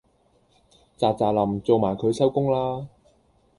喳喳林做埋佢收工啦